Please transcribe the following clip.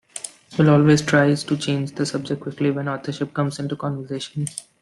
Will always tries to change the subject quickly when authorship comes into conversation.